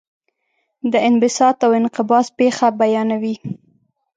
د انبساط او انقباض پېښه بیانوي.